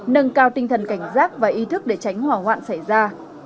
nâng cao tinh thần cảnh giác và ý thức để tránh hỏa hoạn xảy ra